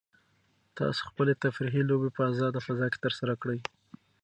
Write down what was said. تاسو خپلې تفریحي لوبې په ازاده فضا کې ترسره کړئ.